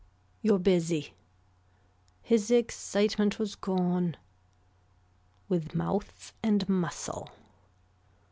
You're busy. His excitement was gone. With mouth and muscle.